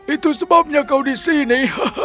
itu sebabnya kau di sini